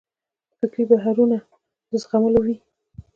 فکري بهیرونه د زغملو وي.